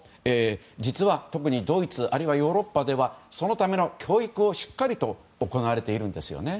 実は、特にドイツあるいはヨーロッパではそのための教育がしっかりと行われているんですよね。